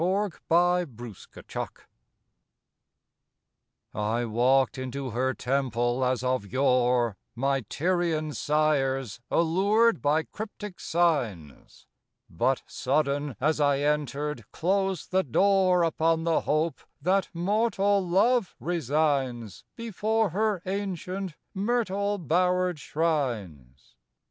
47 THE PAGAN I walked into her Temple, as of yore My Tyrian sires, allured by cryptic signs; But sudden as I entered closed the door Upon the hope that mortal love resigns Before her ancient, myrtle bowered shrines.